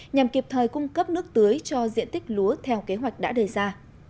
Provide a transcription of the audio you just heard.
nhằm kịp thời cung cấp nước tưới cho diện tích lúa theo kế hoạch đã đề ra